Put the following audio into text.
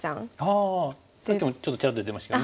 ああさっきもちょっとちらっと出てましたよね。